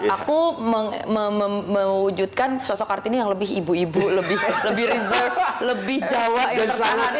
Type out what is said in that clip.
aku mewujudkan sosok art ini yang lebih ibu ibu lebih reserve lebih jawa yang terkenal